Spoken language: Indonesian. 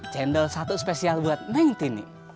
cendol satu spesial buat neng tini